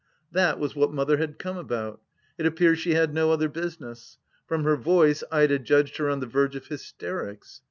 That was what Mother had come about ; it appears she • had no other business. From her voice Ida judged her on the verge of hysterics.